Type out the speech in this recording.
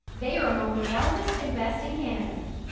They are among the largest and best in Canada.